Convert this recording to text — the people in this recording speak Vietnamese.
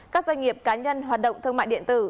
các doanh nghiệp cá nhân hoạt động thương mại điện tử